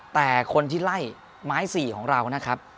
แต่คนที่ไล่ไม้สี่ของเรานะครับ